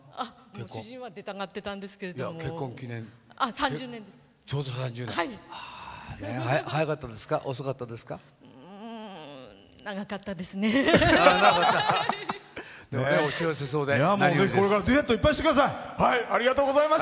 ３０年です。